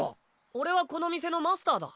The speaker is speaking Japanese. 俺はこの店のマスターだ。